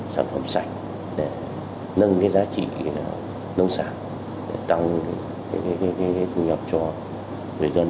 sản phẩm sạch để nâng giá trị nông sản tăng thu nhập cho người dân